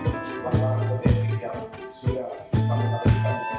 terima kasih panggung yang sudah ditanggung tanggung